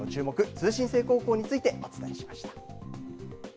通信制高校についてお伝えしました。